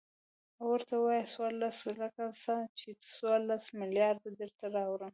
او ورته ووايه څورلس لکه څه ،چې څورلس ملېارده درته راوړم.